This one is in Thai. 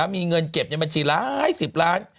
มีเงินเก็บในบัญชีหลายสิบล้าน